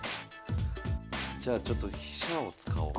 じゃあちょっと飛車を使おう。